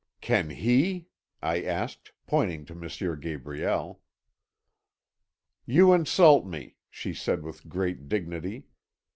"'Can he?' I asked, pointing to M. Gabriel. "'You insult me,' she said with great dignity.